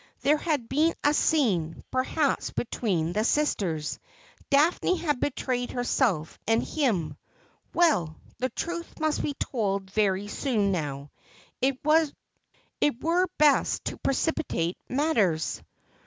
There had been a scene, perhaps, between the sisters. Daphne had betrayed herself and him. Well ! The truth must be told very soon now. It were best to precipitate matters.